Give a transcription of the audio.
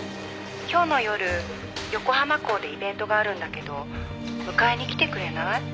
「今日の夜横浜港でイベントがあるんだけど迎えに来てくれない？